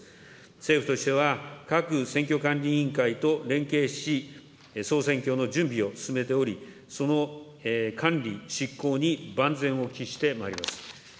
政府としては、各選挙管理委員会と連携し、総選挙の準備を進めており、その管理、執行に万全を期してまいります。